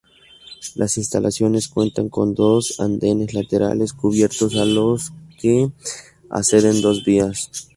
Las instalaciones cuentan con dos andenes laterales cubiertos a los que acceden dos vías.